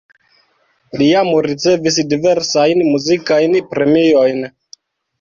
Li jam ricevis diversajn muzikajn premiojn.